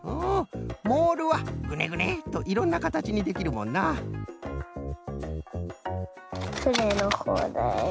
モールはグネグネッといろんなかたちにできるもんなふねのほうだよ。